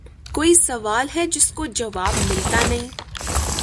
کوئی سوال ھے جس کو جواب مِلتا نیں